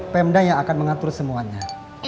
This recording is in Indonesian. pemda yang akan mengatur semuanya